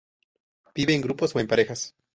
Vive en grupos o en parejas.